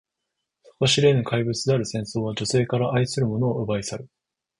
底知れぬ怪物である戦争は、女性から愛する者を奪い去る。